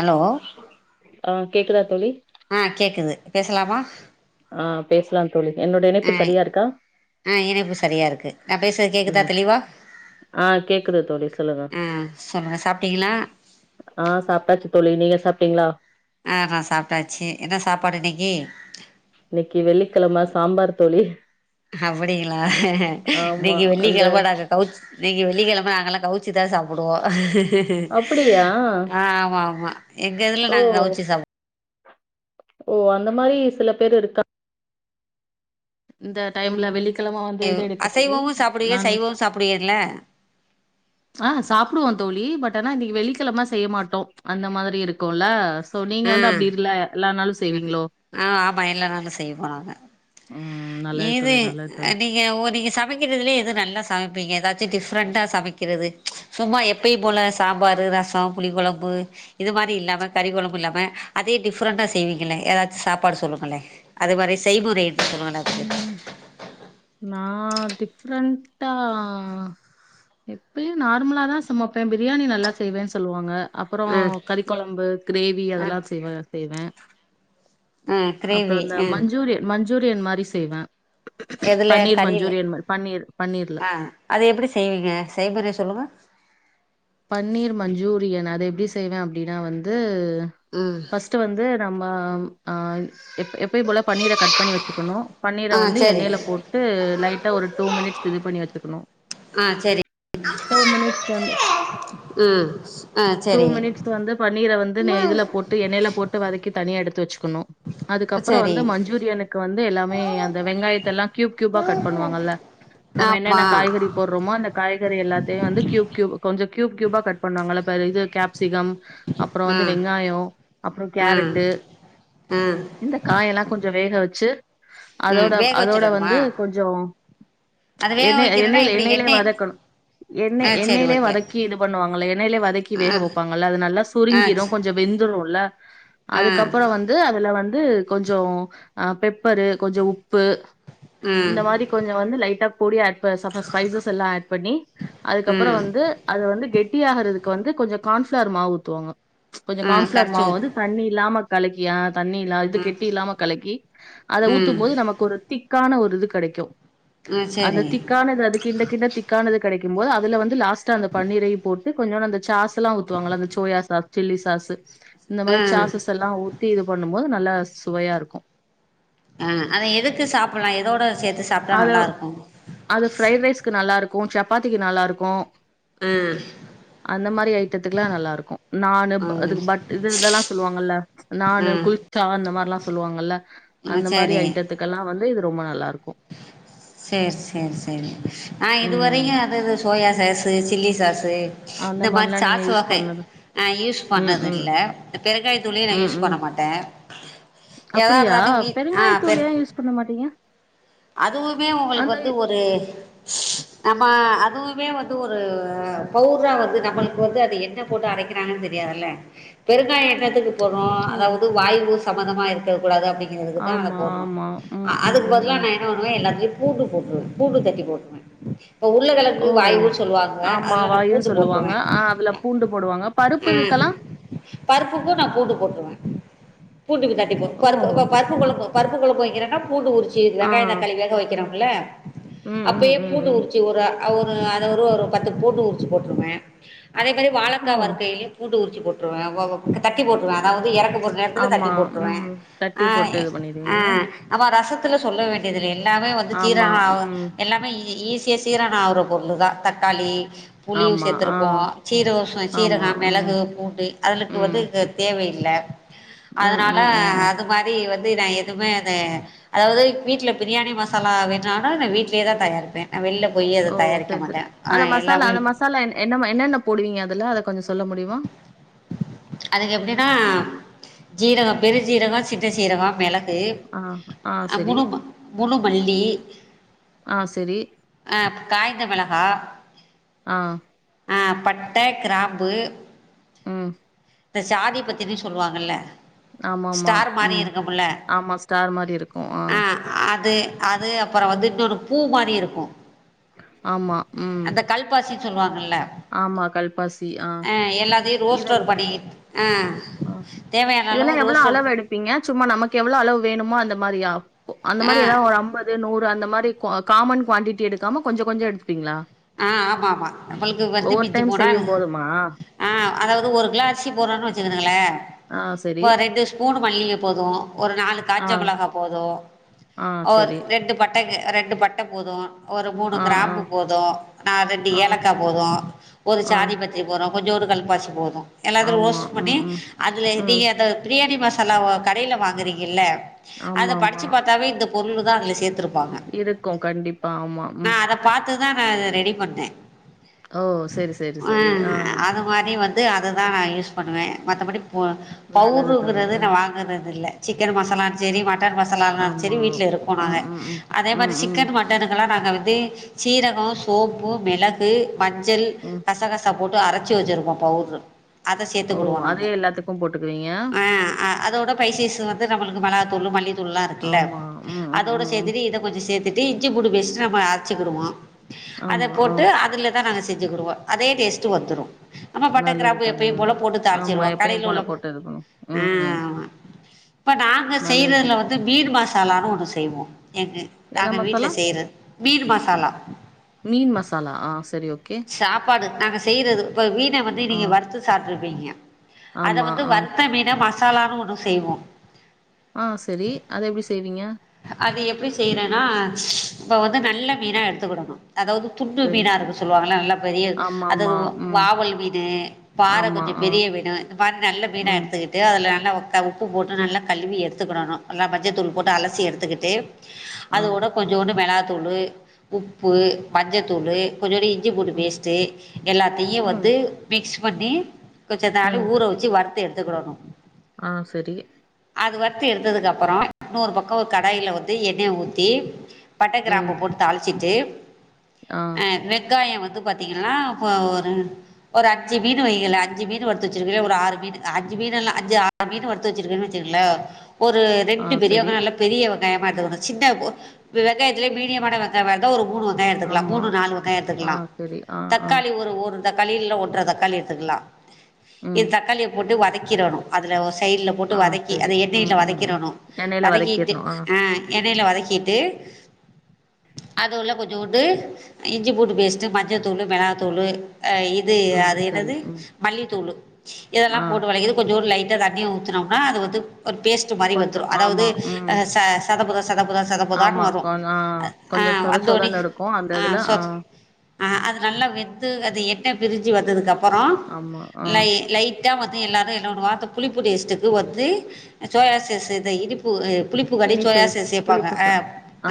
Allow ஆஹ் கேக்குதா தோழி ம் கேக்குது பேசலாமா ஆஹ் பேசலாம் தோழிஎன்னோட ஆ இணைப்பு சரியா இருக்கா ஆ இணைப்பு சரியா இருக்கு நா பேசுறது கேக்குதா தெளிவா ஆஹ் கேக்குது தோழி சொல்லுங்க ஆ சொல்லுங்க சாப்ட்டீங்களா ஆஹ் சாப்பிட்டாச்சு தோழி நீங்க சாப்டீங்ளா ஆஹ் நான் சாப்டாச்சு என்ன சாப்பாடு இன்னைக்கி இன்னைக்கி வெள்ளிக்கெழமை சாம்பார் தோழி அப்டிங்ளா ஆமா நீங்க அந்த வெள்ளிகெழம நாங்க கவுச் நீங்க வெள்ளிகெழம நாங்கல்லாம் கவுச்ச ச்சுதான் சாப்டுவோம் அப்படியா ஆ ஆமா ஆமா எங்க இதுல ஓ நாங்க கவச்சு சாப். ஓ அந்த மாரி சில பேரு இருக்காங். இந்த டைம்ல வெள்ளிக். ம் அசைவமும் சாப்புடுவ சைவவும் சாப்புடுவில்ல. ஆஹ சாப்புடுவோ தோழி பட் ஆனா இன்னிக்கு வெள்ளிக்கிழம செய்ய மாட்டோ அந்த மாரி இருக்கும்ல. ஓ நீங்க வந்து அப்படி இல்ல எல்லனாலு சாப். ஆஹ ஆமா எல்லா நாலு செய்ய போனாங்க. ம் நல்லது இது தோழி நல்லது தோழி நீங்க நீங்க சமைக்கிறதுலயே எது நல்லா சமைப். பிங்க எதாச்சி டிஃப்ரெண்ட்டா சமைக்கிறது. ம்ச் சும்மா எப்பயு போல சாம்பாரு, ரசோ, புளிக்கொழம்பு இது மாரி இல்லாம கறிக்கொழம்பு இல்லாம அதே டிஃரெண்ட்டா செய். செய்வீங்களே ஏதாச்சும் சாப்பாடு சொல்லுங்களே அது மாரி செய்முறை. எது சொல்லுங்களே அதுக்கு உம் நா. டிஃப்ரெண்ட்டா எப்பயு நார்மலாதா சமைப்ப பிரியாணி நல்லா செய்வேன்னு சொல்லுவாங்க அப்புறோ ஆ கறிக்கொழம்பு கிரேவி ஆ அதெல்லா செய்வங்க. செய்வ. ஆஹ கிரேவி ஆஹ. மஞ்சூரியன் மாரி செய்வ. எதுல கறில. பன்னீர் பன்னீர்ல. ஆஹ அது எப்படி செய்வீங்க செய்முற சொல்லுங்க. பன்னீர் மஞ்சூரியன் அத எப்படி செய்வ அப்படின்னா வந்து. ம் ஃபஸ்ட்டு வந்து. ரொம்ப ஆஹ. எப் எப்பயும்போல பன்னீர கட் பண்ணி வச்சுக்கணு. பன்னீர ஆ வந்து சரி எண்ணெயில போட்டு லைட்டா ஒரு டூ மினிட்ஸ் இது பண்ணி எடுத்துக்கணு. ஆ சரி டூ மினிட்ஸ். தந்து. ம் ஆ டூ சரி மினிட்ஸ் வந்து பன்னீர வந்து இதுல போட்டு எண்ணெயில போட்டு வதக்கி தனியா எடுத்து வச்சுக்கணு. அதுக்கப்புறோ சரி வந்து மஞ்சூரியனுக்கு வந்து எல்லாமே அந்த வெங்காயத்த எல்லா கியூப் கியூபா கட் பண்ணுவாங்கல்ல நம்ம என்னென்ன ஆமா காய்கறி போடுறோமோ அந்த காய்கறி எல்லாத்தையும் வந்து கியூப் கியூப் கொஞ்சோ. கியூப் கியூபா கட் பண்ணுவாங்கள இது கேப். கேப்ஸிகம் அப்புறோ வந்து ம் வெங்காயோ அப்புறோ ம் கேரட்டு ம் இந்த காயெல்லா கொஞ்சோ வேக வச். வச்சு. ம் அதோட வேக அதோட வச்சுரணுமா வந்து கொஞ்சோ ம்ச் அது வேக எண்ணெ வைக்கிறன்னா எண்ணெயில எப்டி எண்ணெயிலயே எண்ணெய் வதக்கணு. எண்ணெ ஆ சரி எண்ணெயிலயே ஓகே வதக். வதக்கி இது பண்ணுவாங்கள எண்ணெயிலேயே வதக்கி வேக ஆ வைப்பாங்ல்ல அது நல்லா ஆ சுருங்கிரு கொஞ்சோ வெந்துரும்ல. ஆ அதுக்கப்புறோ வந்து அதுல வந். கொஞ்சோ பெப்பரு கொஞ்சோ உப். உப்பு ம் இந்த மாரி கொஞ்சோ வந்து லைட்டா. பொடிய ஏட். செம்ம ஸ்பைசஸ் எல்லா ஏட் பண்ணி அதுக்கப்புறோ ம் வந்து. அது வந்து கெட்டி ஆகறதுக்கு வந்து கொஞ்சம் கான்ஃபிளர் மாவு ஊத்துவாங்க கொஞ்சம் ம் கான்பிளார் கரச்சு மாவு ஊத் வந்து தண்ணி இல்லாம கலக்கியா தண்ணில்ல இது ம் கெட்டி இல்லாம கலக்கி அதை ம் ஊத்தும் போது நமக்கு ஒரு திக் திக்கான ஒரு இது கிடைக்கும் ம் அந்த சரி திக்கானது அது கிண்ட கிண்ட திக்கானது கிடைக்கும் க்கும் போது வந்து லாஸ்ட் அந்த பன்னீரையும் போட்டு கொஞ்சோண்டு அந்த சாஸ் ல்லாம் ஊத்துவாங்கள அந்த சோயா சாஸ் சில்லி சாஸ் இந்த மாரி ம் சாசஸ் எல்லாம் ஊத்தி இது பண்ணும் போது நல்லா சுவையா இருக்கும் ஆஹ் அத எதுக்கு சாப்பிடலாம் எதோட சேத்து சாப்ட்டா அது நல்லாருக்கு அது பிஃரைட் ரைஸ்க்கு நல்லா இருக்கும் சப்பாத்திக்கு நல்லா இருக்கும் ம் அந்த மாரி ஐட்டத்துக்க எல்லாம் நல்லா இருக்கும் நானு ம் இதுக்கு பட் இது இதெல்லாம் சொல்லுவாங்கல்ல நானு ம் குளிச்சா அந்த மாரிலாம் சொல்லுவாங்கல்ல ம் அந்த மாரி சரி ஐட்டத்துக்கெ எல்லாம் வந்து இது ரொம்ப நல்லா இருக்கும் சேரி சேரி சேரி நான் ம் இதுவரையும் அதாவது சோயாசாஸ் சில்லி சாஸ் அந்த இந்த மாரி மாரிலா நீங்க சாஸ் யூஸ் வகை பண்ணது ஆஹ் யூஸ் ம் பண்ணது ம் இல்ல இந்த பெருங்காய துளையும் நான் ம் யூஸ் ம் பண்ண மாட்டேன் அப்படியா ஏதாவதுத மின் ஆஹ் பெ பெருங்காயத்தூள் ஏ யூஸ் பண்ண மாட்டீங்க அதுவுமே உங்களுக்கு அந்த வந்து ஒரு நம்ம ஆஹ் அதுவுமே வந்து ஒரு பவுரா வந்து நம்மளுக்கு வந்து அது என்ன போட்டு அரைக்கிறாங்கன்னு தெரியதுல்ல பெருங்காய எண்ணத்துக்கு போறம் ஓ! அதாவது வாய்வு சமதமா இருக்கக்க கூடாது அப்பின்னு அதுக்கு தான் அதை ஆமா, போடணும் ஆமா. ம், ம், அதுக்கு ம், பதிலா ம். நான் என் எல்லாத்துலே பூண்டு போட்டுவேன் பூண்டு தட்டி போட்டுவேன் இப்போ உருளைகிழங்கக்கு ஓ! வாயவுன்னு சொல்லுவாங்க ஆமா. அதில் நான் வாயுன்னு பூண்டு சொல்லுவாங்க. போட்டுவேன் ஆ அதுல பூண்டு போடுவாங்க. பருப்பு ஆஹ் இதுக்கெல்லாம்? பருப்புக்கும் நான் பூண்டு போட்டுவேன் பூண்டுக்கு தட்டி போ ஓ! பருப்பு இப்போ பருப்பு குழக்கும் பருப்பு குழம்பு வைக்கிறேனா பூண்டு உரிச்சு ஆ. வெங்காய தக்கா வேக வைகிறோம்ல ம், ம், அப்பயே ம், பூண்டு ம். ஊரிச்சு ஒரு அ ஒரு அது ஒரு ஒரு பத்து பூண்டு உரிச்சு போட்டிருவேன் அதே மாதிரி ஓ! வாலக்கா வருக்கையிலயும் பூண்டு உரி போட்டுருவேன் ஓ ஓ தட்டி போட்டுருவேன் அதாவது இறக்கு ஒரு நேரத்துல ஆமா. தட்டி ம். போட்டுருவேன் தட்டி ஆ போட்டு இது ஆ பண்ணிடுவீங்க. அப்ப ரசத்து சொல்ல வேண் எதிரில் எல்லாமே வந்து ஆமா. ஜுரணும் ஆவ ம். எல்லாமே ஈசி இசியா சீரான அவுற பொருள் தான் தக்காளி புளியும் ஆமா. ஆ. சேர்த்திருப்போம் சீர ஆமா. சீரகம் ம். மெளகு பூண்டு அதுளுக்கு ம். வந்து தேவை இல்ல ம், அதுனால ம், ம், ம். அது மாரி வந் நா எதுவுமே அத அதாவது வீட்ல பிரியாணி மசாலா வேணனா நா வீ்ட்லயே தான் தயாரிப்பேன் நான் வெளில போய் அதை ஓ தயாரிக்க சரி சரி மாட்டேன் ஆ அந்த மசாலா எல்லாமே அந்த மசாலா என்ன என்னென்ன போடுவீங்க அதுல கொஞ்சம் சொல்ல முடியுமா அதுக்கு எப்டின்னா ஜீரகம் பெரு ஜீரகம் சின்ன சீரகம் மிள கு ஆ, ஆ சரி. முழு முழுமல்லி ஆ சரி. அஹ காய்ந்த மிளகா ஆ. ஆஹ பட்ட கிராம்பு ம் இந்த சாதி பத்தினு சொல்லுவாங்க இல்ல ஆமாமா உம் ஆமா ஸ்டார் மாரி இருக்கும் அஹ ஆ அது அது அப்புறம் வந்துட்டு ஒரு பூ மாரி இருக்கும் ஆமா உம் சொல்லுவாங் இல்ல ஆ ஆஹ எல்லாத்தையும் ரோஸ் [unintelligible] அஹ இதெல்லாம் எவ்ளோ ரோஸ்டர் அளவு எடுப்பீங்க சும்மா நமக்கு எவ்ளோ அளவு வேணுமோ அந்த மாரியா அந்த ஆ மாரி ஏதாவது ஒரு அம்பது நூறு அந்த மாரி காமன் குவாண்டிட்டி எடுக்காம கொஞ்ச கொஞ்ச எடுத்துப்பீங்களா ஆஹ ஆமா ஆமா நம்மளுக்கு வந்து ஒவ்வொரு மிஞ்சி டைம் போனா செய்யும் போதுமா? ஆஹ அதாவது ஒரு கிலோ அரிசி போடுறோன்னு வச்சுருக்கங்களே ஆ சரி. இப்ப ரெண்டு ஸ்பூன் மல்லி போதும் ஒரு நாலு ஆ, காஞ்ச மிளகா போதும் ஆ ஒரு சரி. ரெண்டு பட் பட்டைங்க ரெண்டு பட்ட போதும் ஒரு மூணு ஆ, ஆ, கிராம்பு போதும் நா ரெண்டு ஆ, ஏலக்கா போதும் ஒரு ஆ. சாதி பத்திரி போதும் கொஞ்சோண்டு கல் பாசி போதும் எல்லாத்துல ஆமா. ரோஸ்ட் ம், பண்ணி ம், அதுல ம். நீங்க அந்த பிரியாணி மசா சில கடையில வாங்குறீங்கில்ல அத ஆமாமா. படிச்சு பாத்தாவே இந்த பொருள் தான் அதுல சேர்த்துருக்கும் இருக்கும் கண்டிப்பா ஆமா உம் அத ரெ [unintelligible] ரெடி பண்டேன் ஓ! சரி, சரி, சரி. ஆ ஆஹ் அத மாரி வந்து அதுதான் நா யூஸ் பண்ணுவேன் மத்தபடி நல்லது தோழி. பவுடுருங்கிறது ஆ. நான் வாங்குறது இல்ல சிக்கன் மசாலனு சேரி மட்டன் மசாலானாலும் ஆமா. சேரி வீட்ல இருக்கும் நாங்க ம், ம், ம். அதே மாரி ம், ம், சிக்கன் மட்டனுக்கல்லாம் நாங்க தீ சீரகம் சோப்பு மிளகு மஞ்சள் ம். கசா கசா போட்டு அரைச்சி வச்சிருப்போம் பவுட்ரு அத ஓ! சேர்த்துக்கடுவோம் நாங்க அதே எல்லாத்துக்கும் போட்டுக்குவீங்க? ஆஹ் அதோட பஸ்சஸ் நம்மளுக்கு மிளகாய்தூலு மல்லி தூள்லாம் இருக்குல ஆமா. ம், ம், அதோட ம், ம். சேர்த்துட்டு இதை கொஞ்சம் சேர்த்துட்டு இ் இஞ்சி புண்டு பேச்சிட்டு நம்ப அரைச்சிடுவோம் அத ஆமா. ஆ. போட்டு அதுலதான் நாங்க செஞ்சுகுடுவோம் அதே டேஸ்ட்டு வந்துடும் நம்ம பட்டை நல்லது கிராம்பு தோழி, எப்பும் போல நல்லது. போட்டு ஆமா, தாளிச்சருவோம் எப்பயும் கடைல போல உள்ள போட்டு இது பண்ணும். ம். ஆஹ் இ நாங்க நல்லது செய்யறதுல தோழி. வந்து மீன் மாச எல்லாரும் ஒன்னு செய்வோம் எனக்கு என்ன நாங்க மசாலா? வீட்டில் செய்கிறது மீன் மசாலா மீன் மசாலா ஆஹ் சாப்பாடு நாங்க செய்யறது இப்ப மீன வந்து ஆ. நீங்க வறுத்து சாப்பி ப்பிங்க அத ஆமா. வந்து ஆ. வருத்தமீன மா மசாலானு ஒன்னு செய்வோம் ஆஹ் சேரி அத எப்படி செய்வீங்க அது எப்படி செய்றேன்னா இப்போ வந்து நல்ல மீனா எடுத்துக்கடணும் அதாவது துண்டு சரி. மீனா இருக்கு சொல்லுவாங்கள நல்லா பெரிய அதாவது ஆமாமா. ம். வாவல் மீனு பாறை ஆமா. கொஞ்ச ஆ. பெரிய மீனா இந்த மாரி நல்ல மீனா ம். எடுத்துக்கிட்டு அதில் நல்லா உப்பு போட்டு நல்லா கழுவி எடுத்துக்கிடனும் நல்ல மஞ்சத்தூள் போட்டு அலசி எடுத்துக்கிட்டு ஆ. அதோட கொஞ்சோண்டு மிளகா தூளு உப்பு மஞ்சத்தூளு கொஞ்சேண்டு இஞ்சி பூண்டு ம். பேஸ்ட்டு எல்லாத்தையும் ம். வந்து மிக்ஸ் பண்ணி கொஞ்சம் நேரம் ஊற வச்சு வறுத்து எடு த்துக்கடனும் ஆஹ் சரி வறுத்து எடுத்ததுக்கு அப்புறம் இன்னொரு பக்கம் ஒரு கடாயில வந்து எண்ணெய் ஊத்தி பட்டை கிராம்பூ ம். போட்டு தாளிச்சிட்டு ஆ. அஹ் வெங்காயம் வந்து பாத்தீங்கன்னா இப்ப ஒரு அஞ்சு மீன் வைங்ல அஞ்சு மீன் வறுத்து வச்சிருக்க ஒரு ஆறு மீன் அஞ்சு மீன் எல்லாம் அஞ்சு ஆறு மீன் வறுத்து வச்சிருக்கின்னு வச்சுக்கிங்களே ஒரு ஆ ரெண்டு பெரிய சரி. வெங்காயம் நல்ல பெரிய வெங்காயமா எடுத்துக்கணும் சின்ன வெங்காயத்திலேயே மீடியமான வெங்காயமா இருந்தா ஒரு மூணு வெங்காயம் எடுத்துக்கலாம் ஆமா. மூணு நாலு வெங்காயம் ஆ எடுத்துக்கலாம் சரி. ஆ, ஆ. தக்காளி ஒரு ஒரு தக்காளில ஒன்றரை தக்காளி எடுத்துக்கலாம் இ ம். தக்காளியை போட்டு வதக்கி கிறனும் அதுல ஒஸ் சைட்ல போட்டு ஆ வதக்கி சரி. அத எண்ணெயில ம், ம், ம். வதக்கிறனும் எண்ணெயில வதக்கி வதக்கிர்ணும். ஆ, ஆஹ் எண்ணெயில வதக்கிட்டு அதுல கொஞ்சோண்டு இஞ்சி பூண்டு பேஸ்ட் மஞ்சள் தூளு மிளகா தூளு இது ஆ அது சரி. என்னது ம். மல்லித்தூளு ஆ இதெல்லாம் போட்டு வதை கொஞ்சோண்டு லை எல்லாத்தையும் ஊத்துனோம்னா அது வந்து ஒ பேஸ்ட் மாரி கொஞ்சம் வத்துரும் அதாவது ஆமா. ம். [unintelligible] சதப்புதா சதப்புதான் ஆமா. வரும் கொஞ் ஆ கொஞ்சம் சொத வந்த சொதன்னு இருக்கும். அந்த இதுல ஆ அது நல்லா வெந்து அத எண்ணெ பிரி்ஞ் ஜி வந்ததுக் அப் றோ ஆமா. ஆ லை லைட் ட்டான் வந்து எல்லாரும் என்ன ஒரு வாரத்துக்கு புளிப்பு டேஸ்ட்க்கு வந்து சோயாசேஸ் இத இனிப்பு புளிப்புக்கண்டி இனிப்பு, சோயா சேஸ் சேப்பாங்க புளிப்பு அ சா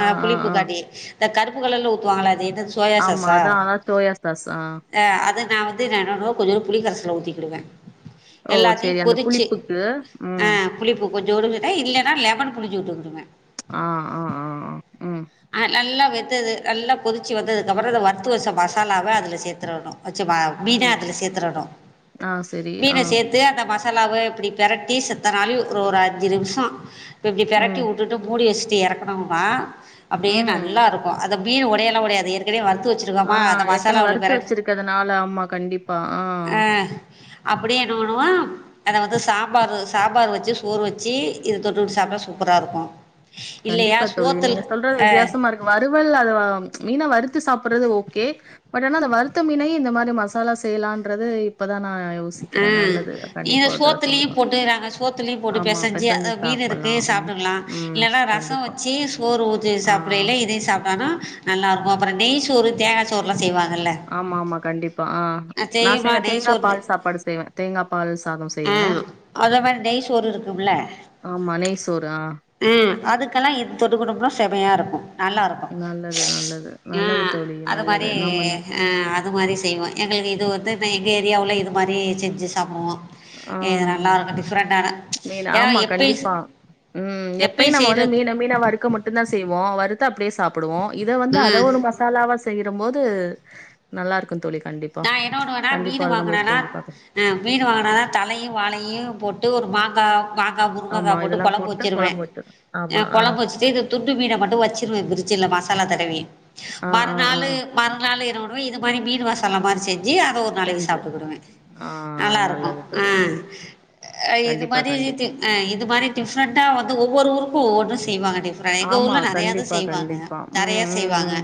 ஆ, அ ஆ, ஆ. புளிப்புக்கண்டி த கருப்புகலர்ல ஊத்துவாங்கள எது சோயா ஆமா. சாஸ்சா அதான் அதான் சோயா சாஸ். ஆ. அது நா வந்து ந கொஞ்ச புளிகரசல ஊத்தி டுவ. ஓ! எல்லாத்தயு சரி அந்த கொதிச்சு புளிப்புக்கு. அ ம். புளிப்பு கொஞ்சூண்டு எய் இல்லன்னா லெமன். புளிஞ்ஜிட்டு வந்துருவ. ம்ச் ஆஹ ஆஹ ஆஹ ஆஹ. அஹ நல்லா. வெத்தது நல்லா பொதிச்சு வந்ததுக்கப்புறோ இந்த வருத்து வச்ச மசாலாவ அதுல சேர்த்துரனு. வச்சுமா மீன ம். அதுல சேர்த்ரணும். ஆ சரி. மீன ஆ. சேத்து அந்த மஸ். ல்லாவே இப்படி பெரட்டி செத்தனாலி ஒரு ஒரு அஞ்சு நிமிஷோ. இப்டி பெரட்டி ம், வுட்டுட்டு மூடி வச். ச்சு எறக்குனோம்னா. அப்டியே ம். நல்லாருக்கு. அது அப்டியே ஒடையில்லா ஒடையது ஏற்கனவே வரத். ஆஹா ஏற்கனவே வறுத்து வச்சிருக்கதுனால ஆம்மா கண்டிப்பா ஆஹ. ஆ அப்படியே என்ன பண்ணுவோ அத வந்து சாம்பாரு சாம்பாரு வச்சு சோறு வச்சி இது தொட்டுட்டு சாப்டா சூப்பரா இருக்கு. இல்லையா கண்டிப்பா தோழி. சோத்துல. நீங்க சொல்றது வித்தியாசமா இருக்கு வறுவல் அது ம்ச் மீன வறுத். த்து சாப்பிடுறது ஓகே. பட் ஆனா அந்த வருத்தமீனையே இந்த மாரி மசாலா செய்யலான்றது இப்பத். ம் இத ஒரு தடவ செஞ்சு சோத்துலயு பாக் போட்டு சோத்துலயு போட்டு ஆமா. பிசைஞ்சு பெசஞ்சு அதா மீனு இருக்கு சாப்பிடலாம். ம். சாப்புட்டுக்கலா ம். இல்லன்னா. அஹ ரசோ கண்டிப்பா. வச்சு சோறு ஊத்தி ஆ. சாப்பிடல இதையு சாப்டோனா நல்லா இருக்கு அப்புறோ நெய் சோறு. தேங்கா சோறுல்லா செய்வாங். ஆமா ஆமா கண்டிப்பா ஆஹ. ஆ நா தெரியுமா செய்யுற நெய் தேங்காபால் சாப்பாடு செய்வ தேங்காபால் சாதம் செ. ஆஹ அதே மாரி நெய் சோறு இருக்கும்ல்ல. ஆமா. நெய் சோறு. ஆ. ஆஹ அதுக்கெல்லா இது தொட்டுக்குட்டோம்னா. செம்மையா இருக்கு. நல்லாருக்கு. நல்லது, நல்லது. நல்லது அஹ தோழி. அது மாரி நல்லது. நாம இந்த அஹ அது மாரி செய்வோ எங்களுக்கு இது வந்து. இது எங்க ஏரியாவுல இது மாரி செஞ்சு சாப்புடுவோ. உம். மீன் ஏன்னா ஆமா எப்பயும் கண்டிப்பா உம் எப்பயு நம்ம வந்து மீன மீன வறுக்க மட்டும்தா செய்வோ வறுத். எடுத்து அப்படியே சாப்புடுவோ. இத வந்து ஆ அத ஒரு மசாலாவா சேத். செய்யுறம்போது நல்லா இருக்கு தோழி. கண்டிப்பா நா என்ன வன்னுவேணா கண்டிப்பா மீனு அத நா முயற்சி வாங்குனேன்னா செஞ்சு பாக்குறே ஆஹ. மீனு வாங்குனேன்னா. தலையு வாழையு போட்டு ஒரு மாங்கா. மாங்கா, முருங்க்கா ஆமா போட்டு இதெல்லா கொழம்பு வச்சுருவ. கொழம்பு வச்சு ஆமா அஹ ஆ கொழம்பு வச்சுட்டு இத துண்டு மீன மட்டும் வச்சுருவ பிரிட்சுல மசாலா தடவி ஆ ஆ ஆ மறுநாளு ஆ மறுநாளு என்னவன்னு. அவ இதுமாரி மீன் வாச தல மாரி செய்வேன் ஜி அதை ஒரு நாளைக்கு செஞ்சு சாப்பிட்டுக்கிடுவேன் ஆ நல்லா இருக்கும் நல்லது தோழி ஆஹ் நல்லது இது கண்டிப்பா மாரி கண்டிப்பா இது மாரி டிஃப்ரெண்ட்டா வந்து ஒவ்வொரு ஊரு க்கும் ஒவ்வொன்னு செய்வாங்க எங்க ஆமா ஊர்ல நறையது கண்டிப்பா செய்வாங்க கண்டிப்பா நறையா ம் ம் செய்வாங்க ம்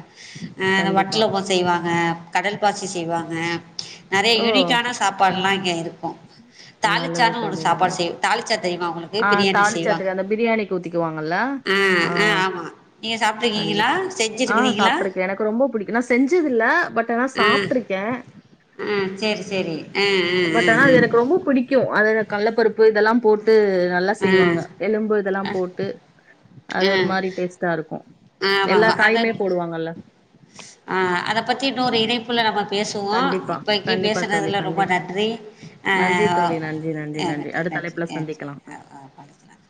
கண்டிப்பா வட்டலப்பம் செய்வாங்க கடல் ப்பாசி செய்வாங்க நறைய ஓ யுனிக்கான சாப்பாடு எல்லாம் இங்க இருக்கும் தாளிச்சான்னு ஒரு சாப்பாடு செய்யும் தாலிச்சா தெரியுமா உங்களுக் ஆஹ் தாலிச்சா தெரியும் அந்த பிரியாணிக்கு ஊத்திக்குவாங்கல்ல ஆ ஆ ஆஹ் ஆமா நீங்க சாப்ட்ருக்கீங்களா கண்டிப்பா ஆஹ் செஞ்சிருக்கிறீங்களா சாப்பிட்டுருக்கேன் எனக்கு ரொம்ப படிக்கும் நான் செஞ்சது இல்ல பட் ஆ சாப்பிட்டுருக்கே ஆ சேரி சேரி ஆ ஆ பட் ஆனா அது எனக்கு ரொம்ப புடிக்கு அது எனக் கள்ளப்பருப்பு இதெல்லாம் போட் டு நல்லா ஆ செய்வாங்க எலும்பு இதெல்லாம் ஆ போட்டு அது ஒரு மாரி டேஸ்ட்டா இருக்கும் ஆஹ்ஹ் அத அஹ் அத பத்தி தோ ஒரு இணைப்புள்ள ஆஹ்ஹ் பேசுவோம் கண்டிப்பா இப்பைக்கு கண்டிப்பா தோழி பேசுறதுல ரொம்ப கண்டிப்பா நன்றி நன்றி அஹ் தோழி நன்றி நன்றி அடுத்த நன்றி அழைப்புல நன்றி சந்திக்கலாம் ம் அ பாதுக்கலாம்